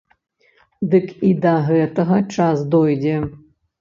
Дык і да гэтага час дойдзе.